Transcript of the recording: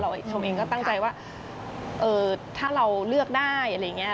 ชมเองก็ตั้งใจว่าถ้าเราเลือกได้อะไรอย่างนี้